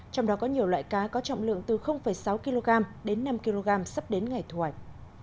trong đó có nhiều loại cá có trọng lượng từ sáu kg đến năm kg sắp đến ngày thu hoạch